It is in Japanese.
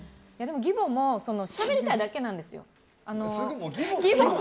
義母もしゃべりたいだけなんですよ。